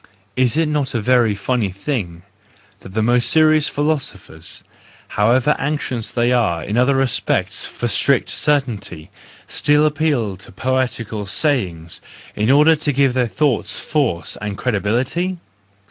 Is it not a very funny thing that the most serious philo¬ sophers, however anxious they are in other respects for strict certainty, still appeal to poetical sayings in order to give their thoughts force and credibility